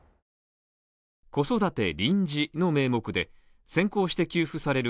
子育て臨時の名目で先行して給付される